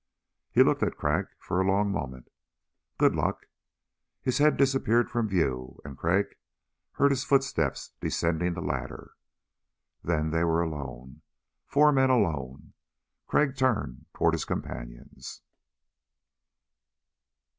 He looked at Crag for a long moment. "Good luck." His head disappeared from view and Crag heard his footsteps descending the ladder. Then they were alone, four men alone. Crag turned toward his companions.